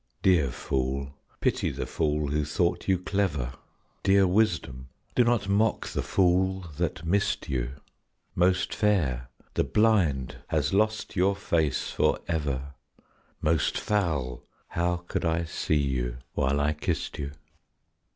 Dear fool, pity the fool who thought you clever! Dear wisdom, do not mock the fool that missed you! Most fair, the blind has lost your face for ever! Most foul, how could I see you while I kissed you?